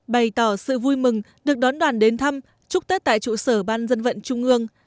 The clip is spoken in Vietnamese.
bày tỏ sự vui mừng được đón đoàn đến thăm chúc tết tại trụ sở ban dân vận trung ương